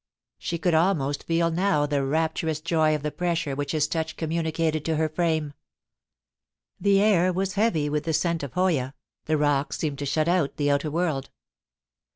She could almost feel now the rapturous joy of the pressure which his touch com municated to her frame. The air was heavy with the scent of hoya; the rocks seemed to shut out the outer world.